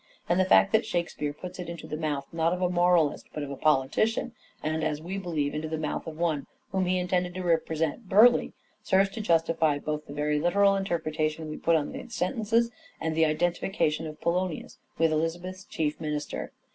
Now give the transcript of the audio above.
And the fact that Shakespeare puts it into the mouth not of a moralist but of a politician, and as we believe, into the mouth of one whom he intended to represent Burleigh, serves to justify both the very literal interpretation we put upon these sentences, and the identification of Polonius with Elizabeth's chief minister.